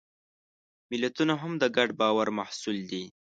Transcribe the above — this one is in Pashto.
ملتونه هم د ګډ باور محصول دي.